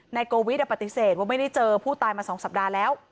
โกวิทปฏิเสธว่าไม่ได้เจอผู้ตายมา๒สัปดาห์แล้ว